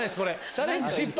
チャレンジ失敗。